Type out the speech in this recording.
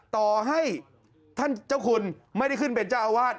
ต่อให้ท่านเจ้าคุณไม่ได้ขึ้นเป็นเจ้าอาวาส